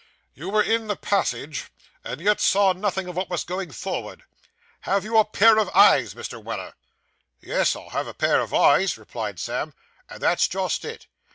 'You were in the passage, and yet saw nothing of what was going forward. Have you a pair of eyes, Mr. Weller?' 'Yes, I have a pair of eyes,' replied Sam, 'and that's just it.